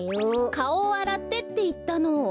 「かおをあらって」っていったの！